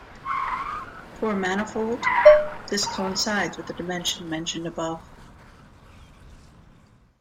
For a manifold, this coincides with the dimension mentioned above.